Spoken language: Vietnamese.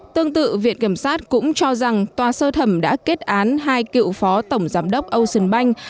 tương tự viện kiểm sát cũng cho rằng tòa sơ thẩm đã kết án hai cựu phó tổng giám đốc ocean bank